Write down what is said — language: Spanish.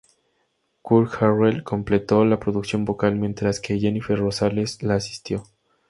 Kuk Harrell completó la producción vocal, mientras que Jennifer Rosales la asistió.